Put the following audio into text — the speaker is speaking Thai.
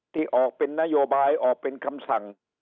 ที่ออกเป็นนโยบายออกเป็นคำสั่ง